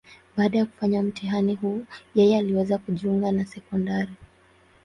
Baada ya kufanya mtihani huu, yeye anaweza kujiunga na sekondari.